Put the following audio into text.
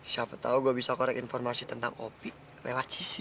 siapa tau gue bisa korek informasi tentang op lewat sissy